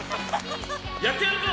やってやるぞ！